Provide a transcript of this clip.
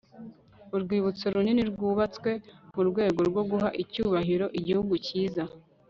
urwibutso runini rwubatswe mu rwego rwo guha icyubahiro igihugu cyiza